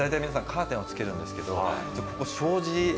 カーテンをつけるんですけどここ。